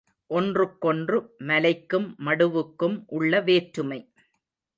ஒன்றுக்கொன்று மலைக்கும், மடுவுக்கும் உள்ள வேற்றுமை.